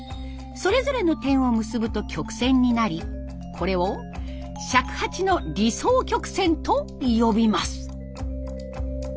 それぞれの点を結ぶと曲線になりこれを尺八の理想曲線と呼びます。